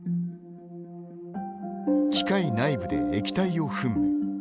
機械内部で液体を噴霧。